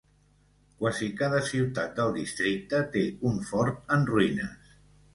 Quasi cada ciutat del districte té un fort en ruïnes.